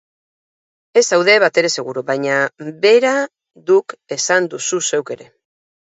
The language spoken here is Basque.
Ez zaude batere seguru, baina bera duk esan duzu zeuk ere.